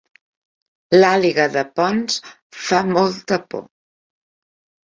L'àliga de Ponts fa molta por